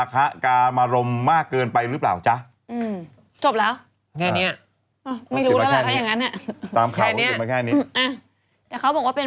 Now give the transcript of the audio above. จบแล้วแค่เนี้ยไม่รู้แล้วแหละถ้าอย่างนั้นแค่เนี้ยแต่เขาบอกว่าเป็น